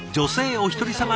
おひとりさま